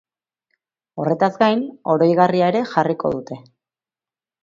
Horretaz gain, oroigarria ere jarriko dute.